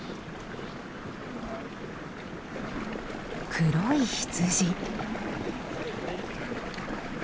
黒い羊。